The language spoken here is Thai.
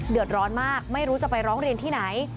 เดือดร้อนมากไม่รู้จะไปร้องเรียนที่ไหน